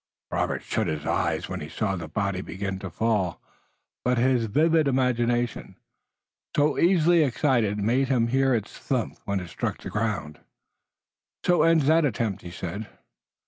Robert shut his eyes when he saw the body begin its fall, but his vivid imagination, so easily excited, made him hear its thump when it struck the earth. "And so ends that attempt!" he said.